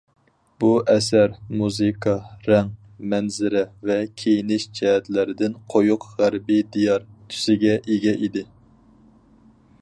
بۇ ئەسەر مۇزىكا، رەڭ، مەنزىرە ۋە كىيىنىش جەھەتلەردىن قويۇق غەربىي دىيار تۈسىگە ئىگە ئىدى.